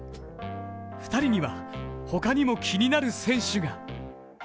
２人には他にも気になる選手が。